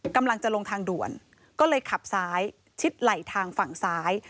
กำลังจะลงทางด่วนก็เลยขับซ้ายชิดไหลทางฝั่งซ้าย